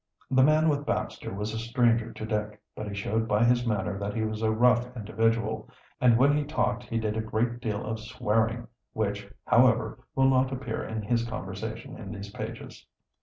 The man with Baxter was a stranger to Dick, but he showed by his manner that he was a rough individual, and when he talked he did a great deal of swearing, which, however, will not appear in his conversation in these pages.